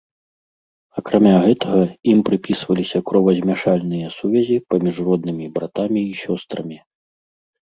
Акрамя гэтага, ім прыпісваліся кровазмяшальныя сувязі паміж роднымі братамі і сёстрамі.